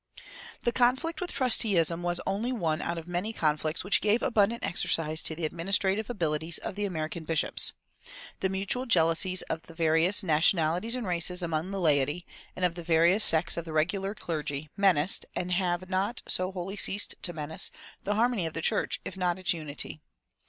The conflict with trusteeism was only one out of many conflicts which gave abundant exercise to the administrative abilities of the American bishops. The mutual jealousies of the various nationalities and races among the laity, and of the various sects of the regular clergy, menaced, and have not wholly ceased to menace, the harmony of the church, if not its unity.